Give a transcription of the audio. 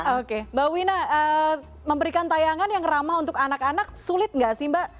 oke mbak wina memberikan tayangan yang ramah untuk anak anak sulit nggak sih mbak